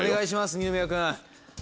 二宮君。